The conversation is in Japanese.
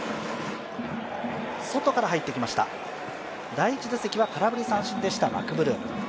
第１打席は空振り三振でしたマクブルーム。